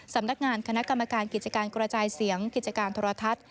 สำนักงานคณะกรรมการกิจการกระจายเสียงกิจการโทรทัศน์